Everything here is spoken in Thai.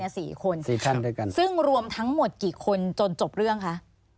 ซึ่งรวมทั้งหมดกี่คนจนจบเรื่องคะ